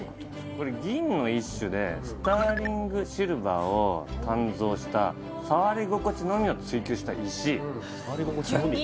これ銀の一種でスターリングシルバーを鍛造した触り心地のみを追求した石触り心地のみ？